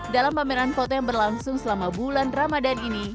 dalam pameran foto yang berlangsung selama bulan ramadan ini